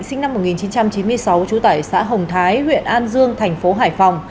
sinh năm một nghìn chín trăm chín mươi sáu trú tại xã hồng thái huyện an dương thành phố hải phòng